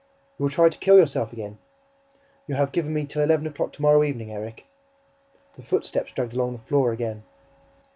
"You will try to kill yourself again." "You have given me till eleven o'clock to morrow evening, Erik." The footsteps dragged along the floor again.